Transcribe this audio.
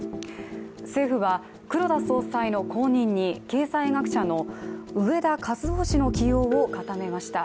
政府は黒田総裁の後任に経済学者の植田和男氏の起用を固めました。